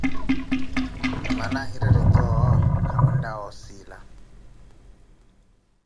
Mmana n`hiretti toowo khamwinlawa osiilana.